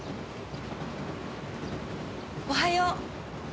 おはよう。